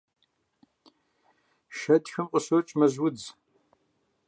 Шэдхэм къыщокӀ мэжьудз.